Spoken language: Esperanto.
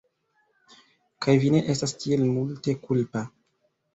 kaj vi ne estas tiel multe kulpa.